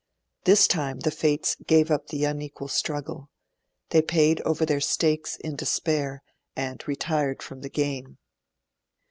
This time the Fates gave up the unequal struggle; they paid over their stakes in despair, and retired from the game.